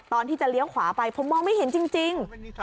ตอนที่จะเลี้ยวขวาไปผมมองไม่เห็นจริง